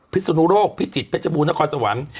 สุนุโรคพิจิตรเพชรบูรณครสวรรค์